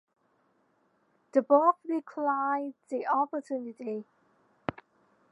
The Pope declined the opportunity.